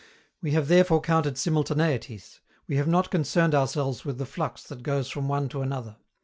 We have therefore counted simultaneities; we have not concerned ourselves with the flux that goes from one to another.